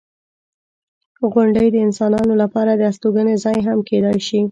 • غونډۍ د انسانانو لپاره د استوګنې ځای هم کیدای شي.